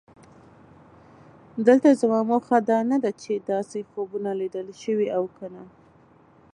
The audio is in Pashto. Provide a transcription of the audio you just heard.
دلته زما موخه دا نه ده چې داسې خوبونه لیدل شوي او که نه.